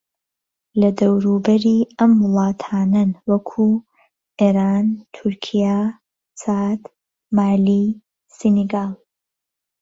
لە دەوروبەری ئەم وڵاتانەن وەکوو: ئێران، تورکیا، چاد، مالی، سینیگال